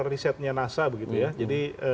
risetnya nasa begitu ya